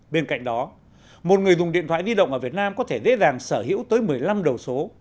bên cạnh đó một người dùng điện thoại di động ở việt nam có thể dễ dàng sở hữu tới một mươi năm đầu số